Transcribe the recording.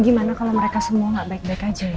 gimana kalau mereka semua gak baik baik aja ya